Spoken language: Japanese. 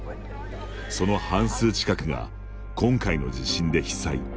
その半数近くが今回の地震で被災。